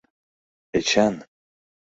Эчан!